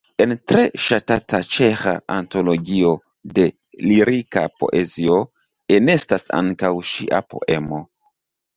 En tre ŝatata ĉeĥa antologio de lirika poezio enestas ankaŭ ŝia poemo.